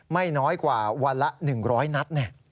ไม่น้อยกว่าวันละ๑๐๐นัด